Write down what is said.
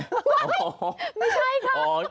ไม่ใช่ค่ะ